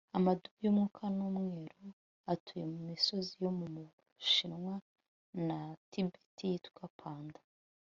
Amadubu yumukara numweru atuye mumisozi yo mubushinwa na Tibet yitwa panda